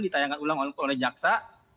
ditayangkan ulang oleh jaksa